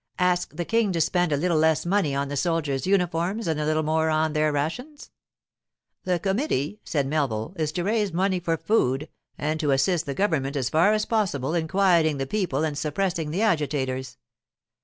Ask the King to spend a little less money on the soldiers' uniforms and a little more on their rations?' 'The Committee,' said Melville, 'is to raise money for food, and to assist the government as far as possible in quieting the people and suppressing the agitators.